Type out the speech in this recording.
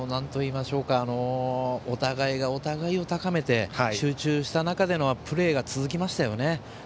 お互いがお互いを高めて、集中した中でのプレーが続きましたね。